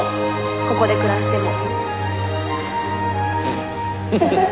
ここで暮らしても。